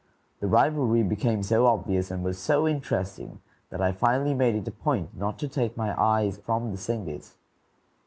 The rivalry became so obvious and was so interesting that I finally made it a point not to take my eyes from the singers.